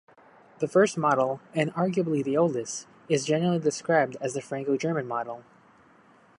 The first model, and arguably the oldest, is generally described as the Franco-German model.